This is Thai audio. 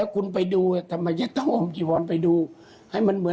คือ